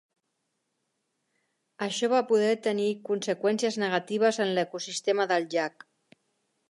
Això va poder tenir conseqüències negatives en l'ecosistema del llac.